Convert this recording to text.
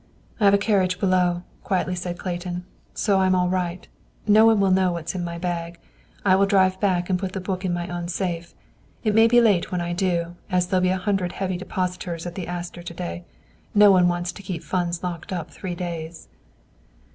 "I have a carriage below," quietly said Clayton, "so I'm all right. No one will know what's in my bag. I will drive back and put the book in my own safe. It may be late when I do, as there'll be a hundred heavy depositors at the Astor to day. No one wants to keep funds locked up three days."